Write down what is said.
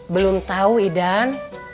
belum tau idan